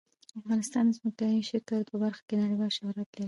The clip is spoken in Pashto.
افغانستان د ځمکنی شکل په برخه کې نړیوال شهرت لري.